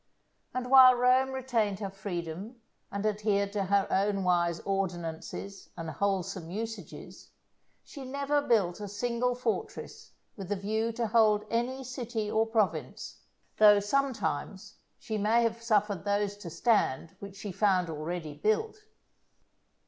And while Rome retained her freedom, and adhered to her own wise ordinances and wholesome usages, she never built a single fortress with the view to hold any city or province, though, sometimes, she may have suffered those to stand which she found already built.